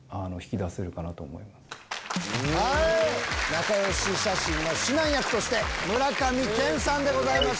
仲良し写真の指南役として村上健さんでございます。